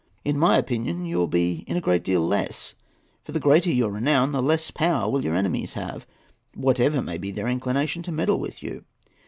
In my opinion you will be in a great deal less; for, the greater your renown, the less power will your enemies have, whatever may be their inclination, to meddle with you.